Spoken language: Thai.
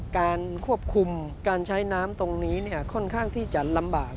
การควบคุมการใช้น้ำตรงนี้ค่อนข้างที่จะลำบาก